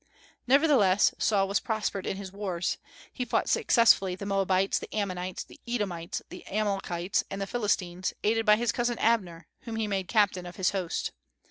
Nevertheless Saul was prospered in his wars. He fought successfully the Moabites, the Ammonites, the Edomites, the Amalekites, and the Philistines, aided by his cousin Abner, whom he made captain of his host.